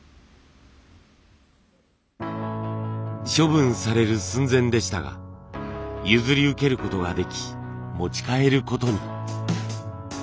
処分される寸前でしたが譲り受けることができ持ち帰ることに。